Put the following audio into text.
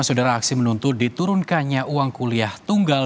saudara aksi menuntut diturunkannya uang kuliah tunggal